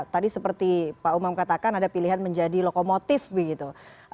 tadi seperti pak umam katakan ada pilihan menjadi lokomotif begitu